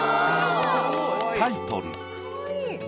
タイトル